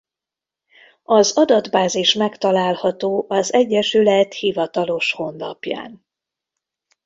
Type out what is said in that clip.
Az adatbázis megtalálható az Egyesület hivatalos honlapján.